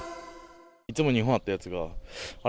いつも２本あったやつが、あれ？